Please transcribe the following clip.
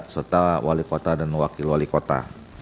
serta wali kota dan wakil wali kota